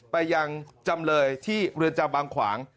ไปยังจำเลยที่เรือนจำบางขวาง